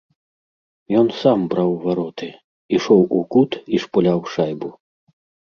Ён сам браў вароты, ішоў у кут і шпуляў шайбу.